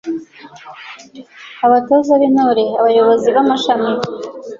Abatoza b’Intore: Abayobozi b’amashami;